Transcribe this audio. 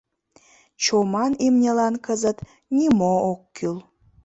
Чоман имньылан кызыт нимо ок кӱл.